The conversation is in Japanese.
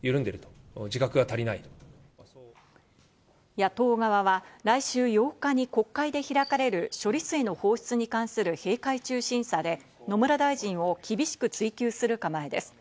野党側は来週８日に国会で開かれる処理水の放出に関する閉会中審査で、野村大臣を厳しく追及する構えです。